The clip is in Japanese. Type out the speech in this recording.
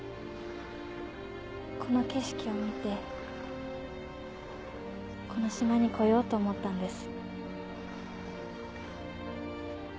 この景色を見てこの島に来ようと思ったんです。